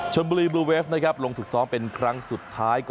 ชนบุรีบลูเวฟนะครับลงฝึกซ้อมเป็นครั้งสุดท้าย